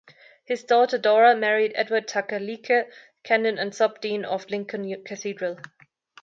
His daughter Dora married Edward Tucker Leeke, Canon and sub-dean of Lincoln Cathedral.